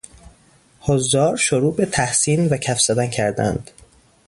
حضار شروع به تحسین و کف زدن کردند.